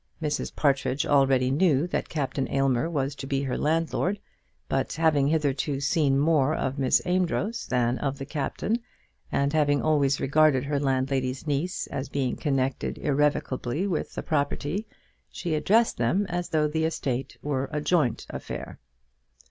Mrs. Partridge already knew that Captain Aylmer was to be her landlord, but having hitherto seen more of Miss Amedroz than of the Captain, and having always regarded her landlady's niece as being connected irrevocably with the property, she addressed them as though the estate were a joint affair.